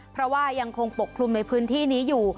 เพราะว่ายังคงปกคลุมในพื้นที่นี้อยู่